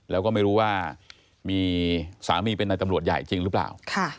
แล้วก็ไม่รู้ว่ามีสามีเป็นในตำรวจใหญ่จริงหรือเปล่า